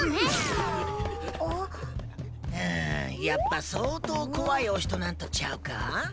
やっぱ相当怖いお人なんとちゃうか？